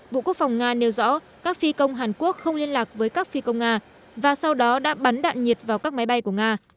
bộ quốc phòng nga nêu rõ các phi công hàn quốc không liên lạc với các phi công nga và sau đó đã bắn đạn nhiệt vào các máy bay của nga